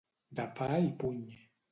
De pa i puny.